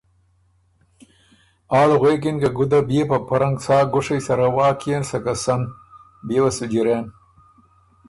آل غوېکِن که ګُده بيې په پۀ رنګ سا ګُوشئ سره واک يېن سکه ته سن، بيې وه سو جیرېن“